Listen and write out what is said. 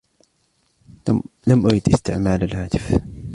لم أرد استعمال الهاتف.